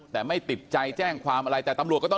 แต่ไม่ติดใจแจ้งความอะไรแต่ตำรวจก็ต้อง